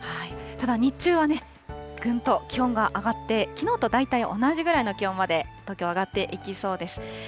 ただ日中はね、ぐんと気温が上がって、きのうと大体同じぐらいの気温まで、東京、上がっていきそうです。